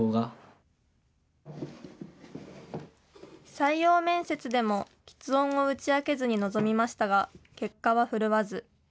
採用面接でも、きつ音を打ち明けずに臨みましたが、結果は振るわず。